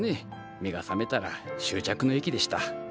目が覚めたら終着の駅でした。